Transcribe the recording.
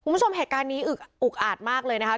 คุณผู้ชมแหการนี้อุ๊กอาดมากเลยนะครับ